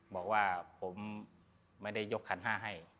บอกว่าผมไม่ได้ยกขันห้าให้